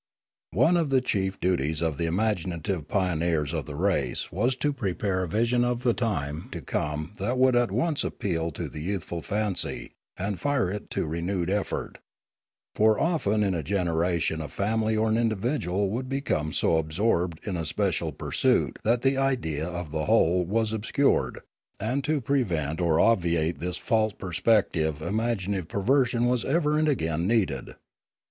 One of the chief duties of the imaginative pioneers of the race was to prepare a vision of the time to come that would at once appeal to the youthful fancy and fire it to renewed effort; for often in a generation a family or individual would become so absorbed in a special pursuit that the idea of the whole was ob scured; and to prevent or obviate this false perspect ive imaginative prevision was ever and again needed.